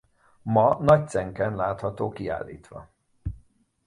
Ma Nagycenken látható kiállítva.